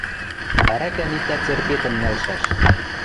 Ӓрӓкӓм иктӓ церпетӹм нӓлшӓш.